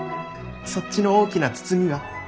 そっちの大きな包みは？